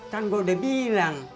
kan gua udah bilang